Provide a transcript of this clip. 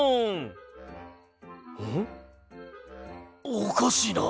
おかしいなあ。